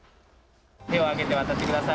手を上げて渡ってください。